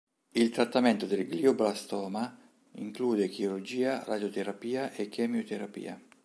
Il trattamento del glioblastoma include chirurgia, radioterapia e chemioterapia.